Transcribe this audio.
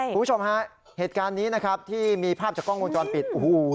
คุณผู้ชมฮะเหตุการณ์นี้นะครับที่มีภาพจากกล้องวงจรปิดโอ้โห